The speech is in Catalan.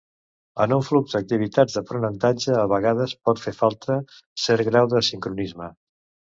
En un flux d'activitats d'aprenentatge, a vegades pot fer falta cert grau de sincronisme.